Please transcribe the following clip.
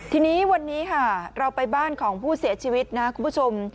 ทีนี้วันนี้ค่ะเราไปบ้านของผู้เสียชีวิตนะคุณผู้ชม